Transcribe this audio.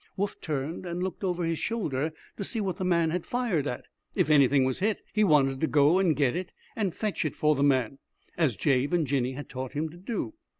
Woof turned and looked over his shoulder to see what the man had fired at. If anything was hit, he wanted to go and get it and fetch it for the man, as Jabe and Jinny had taught him to do.